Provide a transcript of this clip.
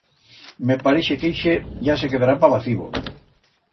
Me pareixe que ixe ya se quedará pa vacibo.